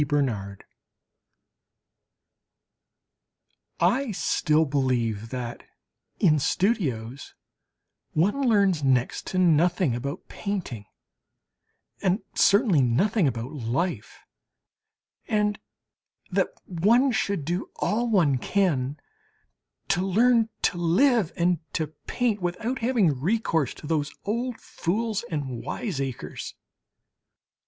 BERNARD I still believe that in studios one learns next to nothing about painting and certainly nothing about life, and that one should do all one can to learn to live and to paint without having recourse to those old fools and wiseacres.